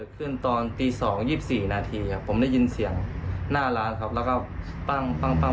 ขัดแย้งกับร้านไหนหรือเปล่า